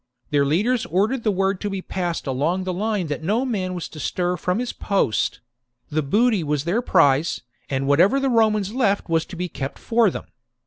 Their leaders ordered the word to be passed along the line that no man was to stir from his post : the booty was their prize, and whatever the Romans left was to be kept for them.